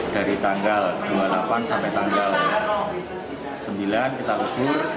dari tanggal dua puluh delapan sampai tanggal sembilan kita ukur